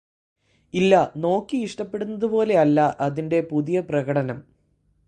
ഇല്ല നോക്കി ഇഷ്ടപ്പെടുന്നതു പോലെയല്ല അതിന്റെ പുതിയ പ്രകടനം